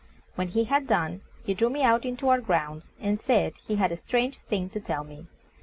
When he had done, he drew me out into our grounds and said he had a strange thing to tell me.